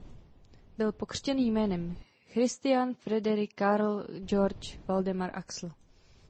Byl pokřtěn jmény Christian Frederik Carl Georg Valdemar Axel.